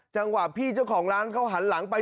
จังหวะพี่เจ้าของร้านเขาหันหลังไป